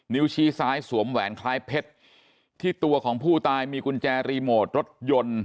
ชี้ซ้ายสวมแหวนคล้ายเพชรที่ตัวของผู้ตายมีกุญแจรีโมทรถยนต์